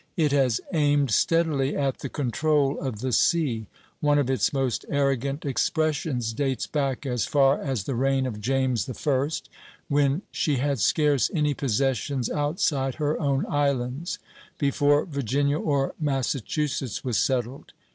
It has aimed steadily at the control of the sea. One of its most arrogant expressions dates back as far as the reign of James I., when she had scarce any possessions outside her own islands; before Virginia or Massachusetts was settled.